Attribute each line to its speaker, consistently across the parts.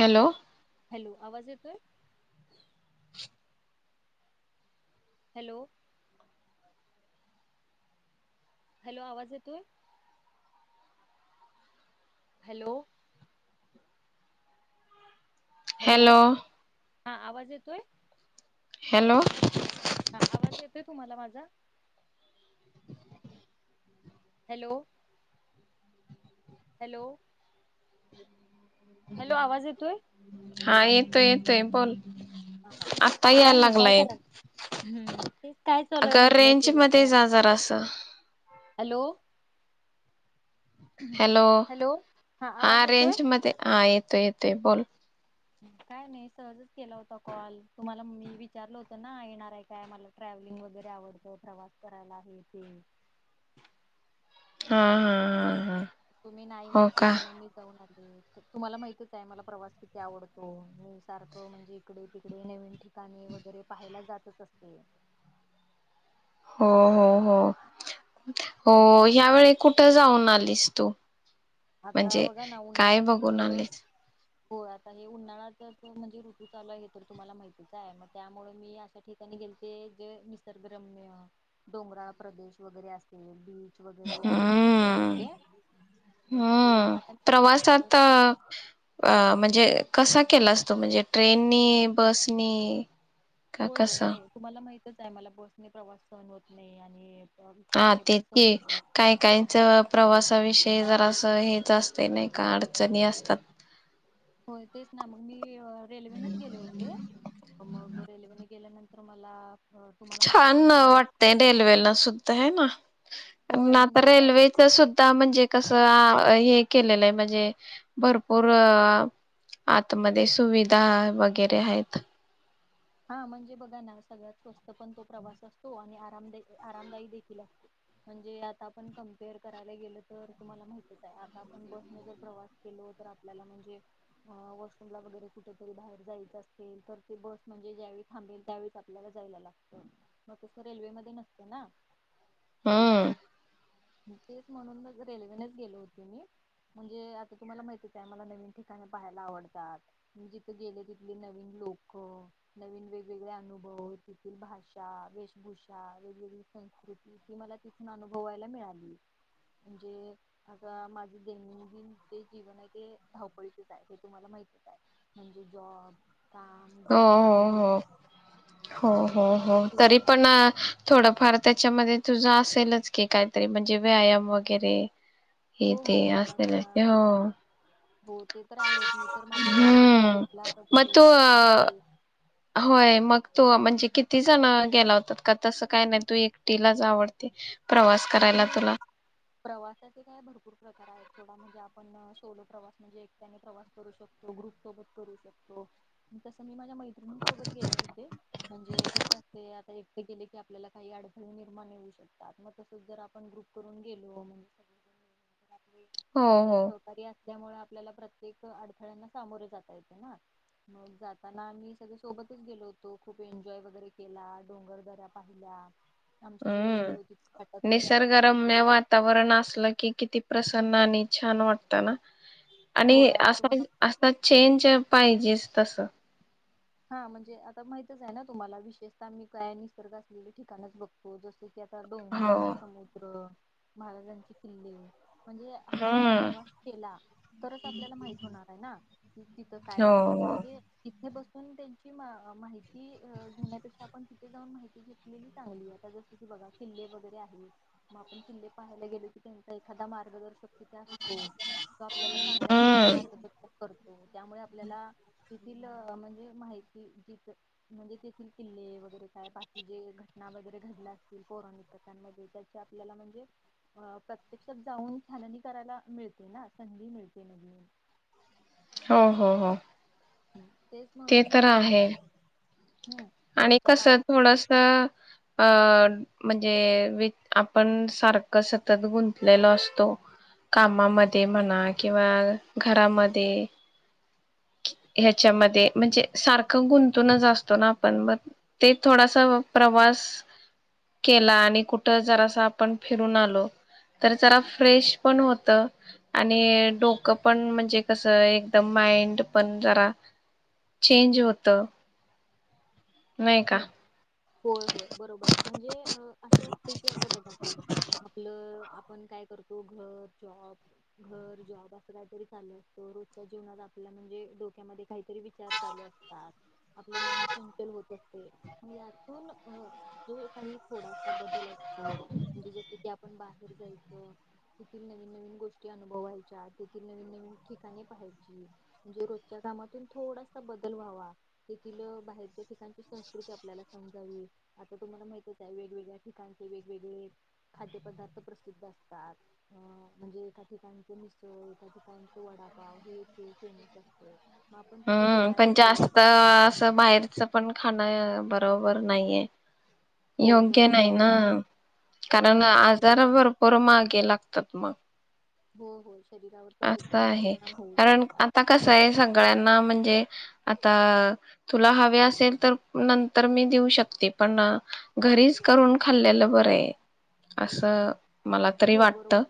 Speaker 1: Hello...
Speaker 2: hello, आवाज येतोय? Hello... hello.. आवाज येतोय? हॅलो..
Speaker 1: हॅ...
Speaker 2: हॅलो
Speaker 1: लो
Speaker 2: हा.. आवाज येतोय?
Speaker 1: हॅलो..
Speaker 2: हा.. आवाज येतोय तुम्हाला माझा? हॅलो हॅलो हॅलो आवाज येतोय?
Speaker 1: हा येतोय येतोय बोल.
Speaker 2: हा हा
Speaker 1: आता
Speaker 2: काय
Speaker 1: यायला
Speaker 2: नाही काय
Speaker 1: लागलाय
Speaker 2: करा हम् तेच काय चालूय
Speaker 1: अगं
Speaker 2: म्हंटलं केला कॉल.
Speaker 1: ह
Speaker 2: हॅलो
Speaker 1: हॅलो
Speaker 2: हॅलो
Speaker 1: हा
Speaker 2: आवाज येतोय
Speaker 1: रेंज मध्ये हा येत तोय येतोय बोल.
Speaker 2: काय नाही सहजच केला होता कॉल तुम्हाला मी विचारल होत ना येणार आहे काय मला ट्रॅव्हलिंग वगैरे आवडत प्रवास करायला हे ते.
Speaker 1: हा हा, हा हा.
Speaker 2: तुम्ही नाही
Speaker 1: हो का
Speaker 2: म्हटला मग मी जाऊन आली. तुम्हाला माहितच आहे मला प्रवास किती आवडतो मी सारखं म्हणजे इकडे तिकडे नवीन ठिकाणी वगैरे पाहायला जातच असते.
Speaker 1: हो हो हो हो
Speaker 2: म्हणजे
Speaker 1: ह्यावेळी कुठ जाऊन आले लीस्तु.
Speaker 2: आता
Speaker 1: म्हणजे
Speaker 2: बघा ना
Speaker 1: काय
Speaker 2: उन्हाळ्यात
Speaker 1: बघूनून आले.
Speaker 2: हो आता हे उन्हाळा तर म्हणजे ऋतू चालू आहे हे तर तुम्हाला माहितीच आहे मग त्यामुळे मी अशा ठिकाणी गेलते जे निसर्ग्रम्य डोंगराळ प्रदेश वगैरे असतील बीच वगैरे या ठिकाणीच गेले
Speaker 1: हम्म
Speaker 2: होते. म्हणजे
Speaker 1: हम्म
Speaker 2: आता मी
Speaker 1: प्रवासात म्हणजे कसा केला असतो म्हणजे ट्रेननी बसनी? का
Speaker 2: हो होय
Speaker 1: कसं
Speaker 2: नाही तुम्हाला माहित आहे मला बस नाही प्रवास सहन होत नाही आणि
Speaker 1: हा
Speaker 2: कारने
Speaker 1: ते
Speaker 2: पण सहन होत नाही
Speaker 1: काही काहीच प्रवासाविषयी जरा अस हे असते नाही का अडचणी असतात.
Speaker 2: होय तेच ना मग मी रेल्वेनेच गेले होते मग रेल्वेने गेल्यानंतर मला तुम्हाला माहितीच
Speaker 1: छान
Speaker 2: आहे रेल
Speaker 1: वाटतय रेल्वेला सुद्धा आहे ना.
Speaker 2: होय
Speaker 1: ना
Speaker 2: म्हणजे
Speaker 1: आता
Speaker 2: आराम
Speaker 1: रेल्वेच सुद्धा म्हणजे कसं हे केलेलं आहे म्हणजे भरपूर आतमध्ये सुविधा वगैरे आहेत.
Speaker 2: हा म्हणजे बघा ना सगळ्यात स्वस्त पण तो प्रवास असतो आणि आरामदा आरामदायी देखील असतो म्हणजे आता आपण कमपेअर करायला गेल तर तुम्हाला माहितीच आहे आता आपण बसने जर प्रवास केलो तर आपल्याला म्हणजे वॉशरूमला वगैरे कुठेतरी बाहेर जायचं असेल तर ते बस म्हणजे ज्यावेळी थांबेल त्यावेळी आपल्याला जायला लागत मग तसं रेल्वे मध्ये नसतं ना.
Speaker 1: हम्म.
Speaker 2: तेच म्हणून मग रेल्वेनेच गेलो होते मी म्हणजे आता तुम्हाला माहतीच आहे मला नवीन ठिकाणी पाहायला आवडतात जिथे गेले तिथली नवीन लोक नवीन वेगवेगळे अनुभव तिथील भाषा वेशभूषा वेगवेगळी संस्कृती ती मला तिथून अनुभवायला मिळाली. म्हणजे आता माझे दैनंदिन ते जीवन आहे धावपळीचेच आहे हे तुम्हाला माहित म्हणजे जॉब काम
Speaker 1: हो
Speaker 2: घर हे
Speaker 1: हो
Speaker 2: एवढं
Speaker 1: हो हो हो हो
Speaker 2: माझ्या जीवनात
Speaker 1: तरी पण थोडंफार त्याच्यामध्ये तुझं असेलच की काहीतरी म्हणजे व्यायाम वगैरे. हे
Speaker 2: हो हो
Speaker 1: ते
Speaker 2: हो
Speaker 1: असेल
Speaker 2: माझ्या
Speaker 1: हो.
Speaker 2: हो ते तर आहेच मी तर माझी प्रायोरिटी
Speaker 1: हम्म
Speaker 2: जिंमला
Speaker 1: मग
Speaker 2: वगैरे
Speaker 1: तू तो म्हणजे किती जण गेला होतात का तसं काय नाही तू एकटीलाच आवडते. प्रवास करायला
Speaker 2: नाही नाही
Speaker 1: तुला
Speaker 2: प्रवासाचे काय भरपूर प्रकार आहेत. सोडा म्हणजे आपण सोलो प्रवास म्हणजे एकट्याने प्रवास करू शकतो, ग्रुपसोबत करू शकतो, तसं मी मैत्रिणींसोबत गेले होते म्हणे कस असत एकटी गेले की आपल्याला काही अडथळे निर्माण होऊ शकतात मग जर आपण ग्रुप करून गेलो. मग
Speaker 1: हो
Speaker 2: म्हणजे
Speaker 1: हो
Speaker 2: सहकारी अस त्यामुळे आपल्याला प्रत्येक अडथळ्यांना सामोरे जाता येते ना मग जाताना आम्ही सगळे सोबतच गेलो होतो खूप एन्जॉय वगैरे केला. डोंगरदऱ्या पाहिल्या. आमची जी रेल्वे
Speaker 1: हम्म
Speaker 2: होती घाटातून जाताना एक
Speaker 1: निसर्गरम्य वातावरण असलं की किती प्रसन्न आणि छान वाटत ना. आणि
Speaker 2: होय
Speaker 1: असा
Speaker 2: तुम्हाला
Speaker 1: असा चेंज पाहिजेच तसं.
Speaker 2: हा म्हणजे आता माहितच आहे ना तुम्हाला विशेषतः मी काय निसर्ग असलेले ठिकाणच बघतो जस की आता डोंगर,
Speaker 1: हो.
Speaker 2: समुद्र महाराजांची किल्ले. म्हणजे आता आपण
Speaker 1: हम्म
Speaker 2: प्रवास केला तरच आपल्याला माहित होणार आहे ना, तिथं काय
Speaker 1: हो
Speaker 2: आहे
Speaker 1: हो
Speaker 2: म्हणजे हे बघ पण त्यांची म माहिती अ घेण्यापेक्षा आपण तिथे जाऊन माहिती घेतलेली चांगली आता जसं की बघा किल्ले वगैरे आहेत मग आपण किल्ले पाहायला गेलो की त्यांचा एखादा मार्गदर्शक तिथे असतो. तो आपल्याला चांगल्या प्रकारे
Speaker 1: हम्म
Speaker 2: मार्गदशक कर तो त्यामुळे आपल्याला तेथील म्हणजे माहिती तिथं म्हणजे तेथील किल्ले वगैरे काय बाकी जे घटना वगैरे घडल्या असतील पौराणिक कथांमधील त्याची आपल्याला म्हणजे अ प्रत्यक्षात जाऊन छाननी करायला मिळते ना? संधी मिळते नवीन.
Speaker 1: हो हो हो.
Speaker 2: हम्म. तेच
Speaker 1: ते
Speaker 2: म्हणून
Speaker 1: तर
Speaker 2: म्हण
Speaker 1: आहे. आणि कसं थोडसं अ म्हणजे विट आपण सारखं सतत गुंतलेलो असतो कामामध्ये म्हणा किंवा घरामध्ये ह्याच्यामध्ये म्हणजे सारखं गुंतूनच असतो ना आपण मग ते थोडासा प्रवास केला आणि कुठं जरासं आपण फिरून आलो तर जरा फ्रेश पण होतं, आणि डोकं पण म्हणजे कसं एकदम माइंड पण जरा चेंज होतं. नाही का?
Speaker 2: हम्म होय होय बरोबर आहे. म्हणजे असं असते की आता बघा की आपलं आपण काय करतो घर जॉब, घर जॉब, अस काहीतरी चालू असत रोजच्या जीवनात आपल्या म्हणजे डोक्यामध्ये काहीतरी विचार चालू असतात. आपलं मन चचल होत. यातून जो काही थोडासा बदल असतो म्हणजे जस की आपण बाहेर जायचं तेथील नवीन-नवीन गोष्टी अनुभवायच्या तेथील नवीन-नवीन ठिकाणे पाहायची, म्हणजे रोजच्या कामातून थोडासा बदल व्हावा तेथील बाहेरच्या ठिकाण. संस्कृती आपल्याला समजावी आता तुम्हाला माहितच आहे वेगवेगळ्या ठिकाणचे वेगवेगळे खाद्य पदार्थ प्रसिद्ध असतात. अ म्हणजे एका ठिकाणचे मिसळ एका ठिकाणचे वडापाव हे तेे फेमस असते. मग आपण तिथे
Speaker 1: हम्म पण
Speaker 2: गेल्यानंतर
Speaker 1: जास्त अस बाहेरच पण खाण बरोबर नाही आहे.
Speaker 2: होय
Speaker 1: योग्य
Speaker 2: बरोबर
Speaker 1: नाही
Speaker 2: आहे
Speaker 1: ना. कारण
Speaker 2: हा शरीर
Speaker 1: आजार भरपूर मागे लाग तत मग.
Speaker 2: हो हो.
Speaker 1: अस आहे कारण आता कस आहे सगळ्यांना म्हणजे आता तुला हवे असेल तर नंतर मी देऊ शकते. पण घरीच करून खाल्लेलं बरं आहे. असं मला तरी
Speaker 2: होय
Speaker 1: वाटत.
Speaker 2: बरोबर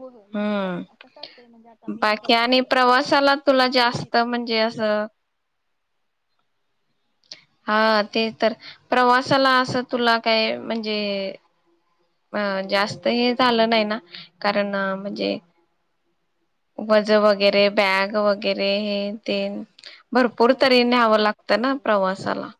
Speaker 2: होय, होय म्हणजे
Speaker 1: हम्म.
Speaker 2: कसं असतंय म्हणजे आता मी
Speaker 1: बाकी आणि प्रवासाला
Speaker 2: प्रवास-प्रवास
Speaker 1: तुला
Speaker 2: केल्यानंतर
Speaker 1: जास्त
Speaker 2: म्हणजे
Speaker 1: असं हा ते तर प्रवासाला असं तुला काय म्हणजे अ जास्त हे झालं नाही ना कारण म्हणजे वज वगैरे बॅग वगैरे हे तेन. भरपूर
Speaker 2: न-
Speaker 1: तरी न्यावं लागतं ना
Speaker 2: नाही
Speaker 1: प्रवासाला.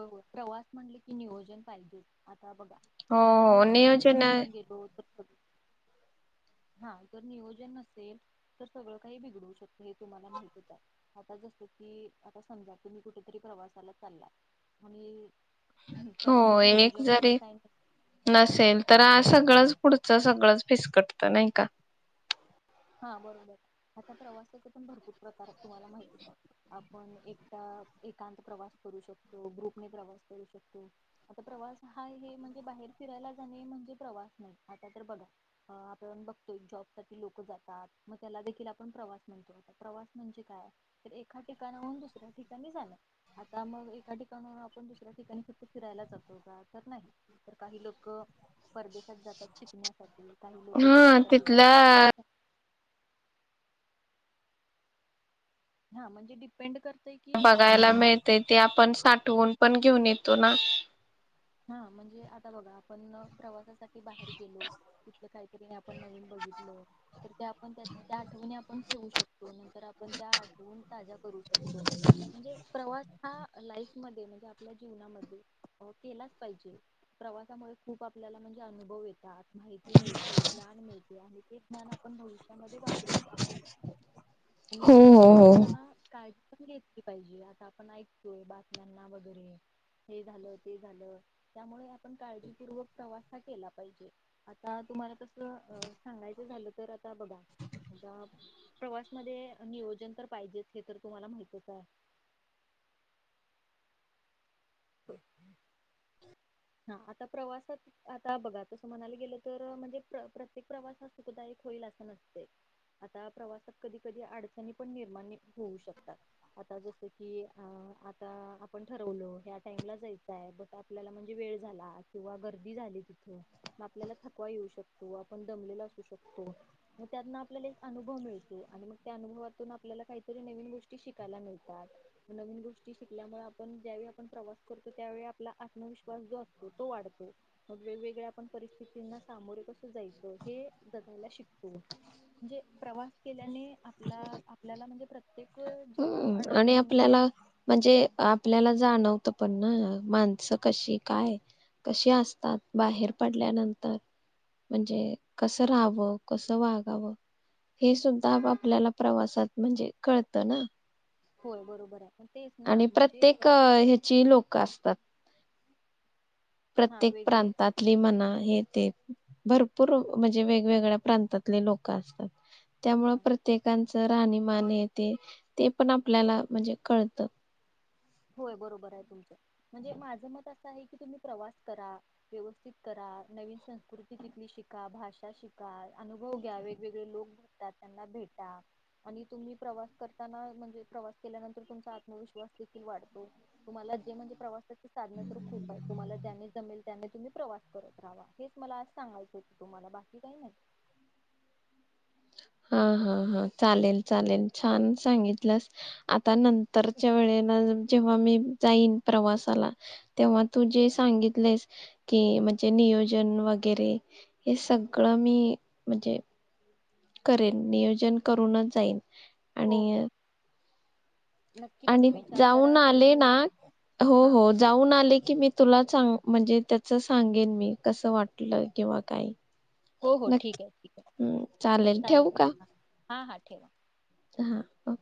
Speaker 2: हो होय प्रवास म्हणलं की नियोजन पाहिजे आ ता बघा
Speaker 1: हो
Speaker 2: विना
Speaker 1: हो
Speaker 2: नियोजन जर आपण गेलोत हां जर नियोजन नसेल तर सगळं काही बिघडू शकतं हे तुम्हाला माहितच आहे. आता जसं की आता समजा तुम्ही कुठेतरी प्रवासाला चाललाय आणि
Speaker 1: हो
Speaker 2: त्याला जर
Speaker 1: एक
Speaker 2: नियोजन वगैरे
Speaker 1: जरी
Speaker 2: काही
Speaker 1: नसेल तर आ सगळंच पुढचं सगळंच फिसकटत नाही का?
Speaker 2: हा बरोबर आता प्रवासाचा पण भरपूर प्रकार तुम्हाला माहतीच आहे. आपण एकट एकांत प्रवास करू शकतो, ग्रुपने प्रवास करू शकतो. आता प्रवास हा हे म्हणजे बाहेर फिरायला जाणे म्हणजे प्रवास नाही. आता तर बघा, आपण बघतोय जॉब साठी लोक जात तात मग त्याला देखील आपण प्रवास म्हणतो. आता प्रवास म्हणजे काय? तर एका ठिकाणाहून दुसऱ्या ठिकाणी जानं आता मग एका ठिकाणाहून आपण दुसऱ्या ठिकाणी फक्त फिरायला जातो का? तर नाही. तर काही लोक परदेशात जातात शिकण्यासाठी काही लोक जॉब
Speaker 1: हा
Speaker 2: साठी
Speaker 1: तिथलं
Speaker 2: जातात. हा म्हणजे डिपेंड कर
Speaker 1: बघायला मिळते ते आपण साठ ठवुन पण घेऊन येतो ना.
Speaker 2: हा म्हणजे आता बघा आपण प्रवासासाठी बाहेर गेलो तिथ काहीतरी आपण नवीन बघितलं तर त्या आपण त्या त्या आठवणी आपण घेऊ शकतो. तर आपण त्या आठवून ताज्या करू शकतो. म्हणजे प्रवास हा लाईफ मध्ये म्हणजे आपल्या जीवनामध्ये केलाच पाहीजे प्रवासामुळे खूप आपल्याला म्हणजे अनुभव येतात, माहिती मिळते, ज्ञान मिळते, आणि ते ज्ञान आपण भविष्यामध्ये वापर रु शकतो आणि
Speaker 1: हो
Speaker 2: प्रवास
Speaker 1: हो हो
Speaker 2: करताना काय घेतली पाहिजे आता आपण ऐकतोय, बातम्यांना वगैरे हे झालं, ते झालं. त्यामुळे आपण काळजीपूर्वक प्रवास हा केला पाहिजे. आता तुम्हाला तसं सांगायचं झालं तर आता बघा प्रवास मध्ये नियोजन तर पाहिजेच हे तर तुम्हाला माहितच आहे. हा आता प्रवासात आता बघा तस म्हणायला गेलं तर म्हणजे प्रत्येक प्रवास हा सुखदायक होईल असं नसतंय आता प्रवासात कधी कधी अडचणी पण निर्माण होऊ शकतात आता जस कि अ आता आपण ठरवल, - [inaudible] जायचाय बट आपल्याला म्हणजे वेळ झाला किंवा गर्दी झाली तिथं मग आपल्याला थकवा येऊ शकतो आपण दमलेला असू शकतो मग त्यातना आपल्याला एक अनुभव मिळतो आणि मग त्या अनुभवातून आपल्याला काहीतरी नवीन गोष्टी शिकायला मिळतात नवीन गोष्टी शिकल्यामुळे आपण ज्यावेळी आपण प्रवास फक्त त्यावेळी आपला आत्मविश्वास जो असतो तो वाढतो मग वेगवेगळ्या आपण परिस्थितींना सामोरे कसं जायचं हे जगायला शिकतो म्हणजे प्रवास केल्याने आपला आपल्याला म्हणजे प्रत्येक ज्या
Speaker 1: हम्म आणि
Speaker 2: अडचणींना
Speaker 1: जाणवत पण ना माणसं कशी काय कशी असतात बाहेर पडल्यानंतर म्हणजे कसं रहावं कसं वागावं हे सुद्धा आपल्याला प्रवासात म्हणजे कळत ना
Speaker 2: होय बरोबराय
Speaker 1: आणि प्रत्येक ह्याची लोक असतात.
Speaker 2: हा
Speaker 1: प्रत्येक
Speaker 2: वेगवेग
Speaker 1: प्रांतातली मना हे ते, - भरपूर म्हणजे वेगवेगळ्या प्रांतातले लोकं असतात. त्यामुळे
Speaker 2: हा
Speaker 1: प्रत्येकानं [inaudible] राहणीमान येते ते पण आपल्याला म्हणजे कळतं
Speaker 2: होय बरोबर आहे तुमचं म्हणजे माझं मत असं आहे की तुम्ही प्रवास करा व्यवस्थित करा नवीन संस्कृती तिथली शिका भाषा शिका अनुभव घ्या वेगवेगळे लोक भेटतात त्यांना भेटा आणि तुम्ही प्रवास करताना म्हणजे प्रवास केल्यानंतर तुमचा आत्मविश्वास [inaudible] तु्हाला जे म्हणजे प्रवासाची साधन तर खूप आहेत तुम्हाला ज्याने जमेल त्यानं तुम्ही प्रवास, - करत राहावा हेच मला अस सांगायचं होतं तुम्हाला बाकी काही नाही
Speaker 1: हा हा हा चालेल चालेल छान सांगितलंस आता नंतरच्या वेळेला जेव्हा मी जाईन प्रवासाला तेव्हा तू जे सांगितलयस कि म्हणजे नियोजन वगैरे हे सगळं मी म्हजे करेल नियोजन करूनच जाईन
Speaker 2: हो हो
Speaker 1: आणिय
Speaker 2: नक्की
Speaker 1: आणि
Speaker 2: तुम्ही विचार करा
Speaker 1: जाऊन
Speaker 2: आणि
Speaker 1: आले
Speaker 2: न्यू
Speaker 1: ना हो
Speaker 2: हा
Speaker 1: हो जाऊन आले की मी तुला, - [inaudible] म्हणजे त्याच सांगेन मी कसं वाटलं किंवा काही
Speaker 2: हो हो
Speaker 1: नक्की
Speaker 2: ठीकाय ठीकाय
Speaker 1: हम्म,
Speaker 2: चालेल
Speaker 1: ठेवू का
Speaker 2: हा हा हा ठेवा
Speaker 1: हा अ.